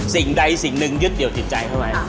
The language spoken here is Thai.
สิ่งใดสิ่งหนึ่งยึดเดี่ยวจิตใจเข้าไป